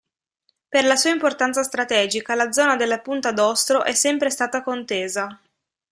Per la sua importanza strategica, la zona della Punta d'Ostro è sempre stata contesa.